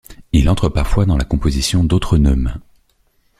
Il entre parfois dans la composition d’autres neumes.